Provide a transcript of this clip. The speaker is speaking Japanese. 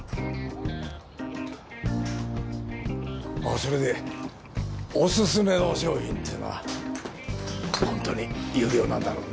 それでおすすめの商品っていうのはほんとに優良なんだろうね？